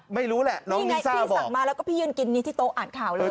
ไม่รู้แหละนี่ไงพี่สั่งมาแล้วก็พี่ยืนกินนี้ที่โต๊ะอ่านข่าวเลย